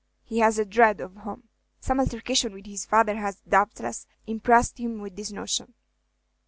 "He has a dread of home. Some altercation with his father has, doubtless, impressed him with this notion."